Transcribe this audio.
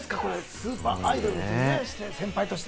スーパーアイドルとして、先輩として。